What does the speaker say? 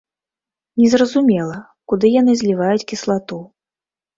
Не зразумела, куды яны зліваюць кіслату.